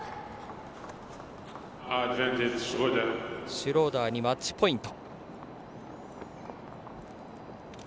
シュローダーにマッチポイント。